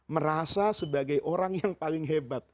merasa sebagai orang yang paling hebat